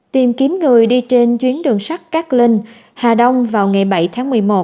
tìm kiếm người đi trên chuyến đường sắt cát linh hà đông vào ngày bảy tháng một mươi một